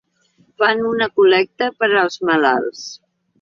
Fan una col·lecta per als malalts.